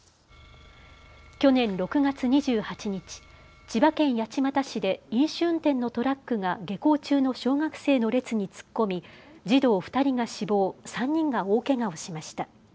去年６月２８日、千葉県八街市で飲酒運転のトラックが下校中の小学生の列に突っ込み児童２人が死亡、３人が大けがをしました。